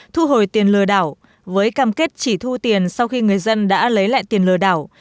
thu hồi tiền lừa đảo với cam kết chỉ thu tiền sau khi người dân đã lấy lại tiền lừa đảo